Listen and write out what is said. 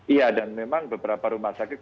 iya dan memang beberapa rumah sakit